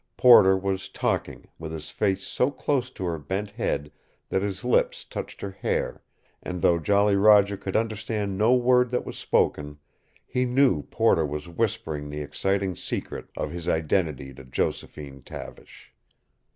Porter was talking, with his face so close to her bent head that his lips touched her hair, and though Jolly Roger could understand no word that was spoken he knew Porter was whispering the exciting secret of his identity to Josephine Tavish.